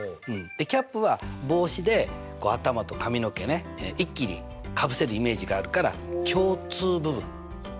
∩は帽子で頭と髪の毛ね一気にかぶせるイメージがあるから共通部分ね。